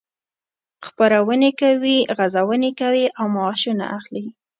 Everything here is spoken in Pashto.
خپرونې کوي، غزونې کوي او معاشونه اخلي.